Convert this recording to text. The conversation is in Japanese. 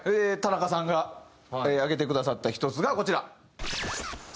田中さんが挙げてくださった１つがこちら。